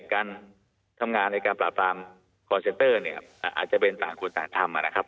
การแบบตามโบราณอาจจะเป็นตามควดต่างทำ